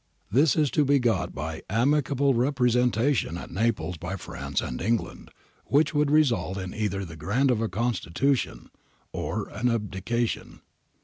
This is to be got by ' amicable representation ' at Naples by France and England, which would result in either the grant of a constitution, or an abdication.